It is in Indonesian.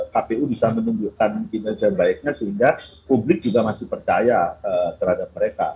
kpu bisa menunjukkan kinerja baiknya sehingga publik juga masih percaya terhadap mereka